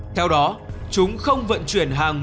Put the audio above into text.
theo đó chúng không vận chuyển hàng một